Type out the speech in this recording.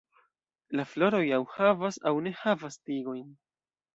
La floroj aŭ havas aŭ ne havas tigojn.